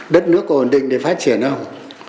đất nước có ổn định để phát triển không